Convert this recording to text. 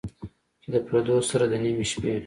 چې د پردو سره، د نیمې شپې،